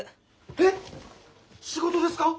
えっ仕事ですか！？